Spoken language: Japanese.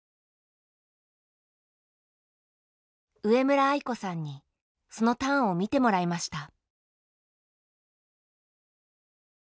上村愛子さんにそのターンを見てもらいました。